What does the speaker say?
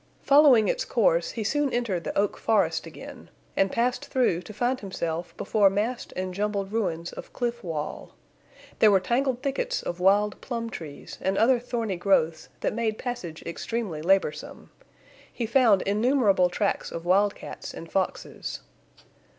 Following its course, he soon entered the oak forest again, and passed through to find himself before massed and jumbled ruins of cliff wall. There were tangled thickets of wild plum trees and other thorny growths that made passage extremely laborsome. He found innumerable tracks of wildcats and foxes.